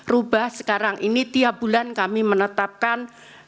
rubah sekarang ini tiap bulan kami menetapkan